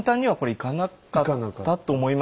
いかなかった？